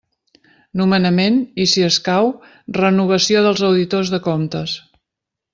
Nomenament i, si escau, renovació dels auditors de comptes.